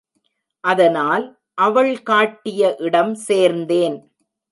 அதனால் அவள் காட்டிய இடம் சேர்ந்தேன்.